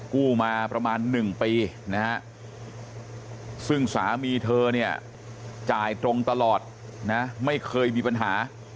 กู้มาประมาณ๑ปีซึ่งสามีเธอจ่ายตรงตลอดไม่เคยมีปัญหา